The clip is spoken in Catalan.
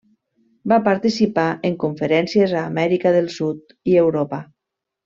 Va participar en conferències a Amèrica del Sud i Europa.